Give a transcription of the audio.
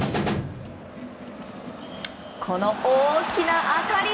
この大きな当たり！